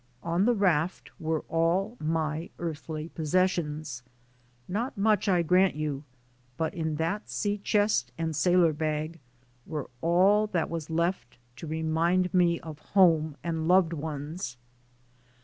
On that raft were all my earthly possessions, not much, I grant you, but in that sea IN THE AMEEICAN STORM 91 chest and sailor bag were all that was left to remind me of home and loved ones.